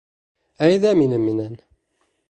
Әйҙә минең менән.